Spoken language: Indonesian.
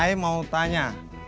i mau tanya